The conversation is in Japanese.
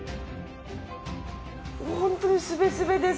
本当にすべすべです。